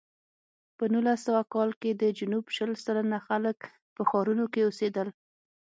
په نولس سوه کال کې د جنوب شل سلنه خلک په ښارونو کې اوسېدل.